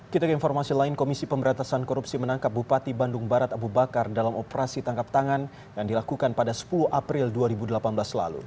kita ke informasi lain komisi pemberantasan korupsi menangkap bupati bandung barat abu bakar dalam operasi tangkap tangan yang dilakukan pada sepuluh april dua ribu delapan belas lalu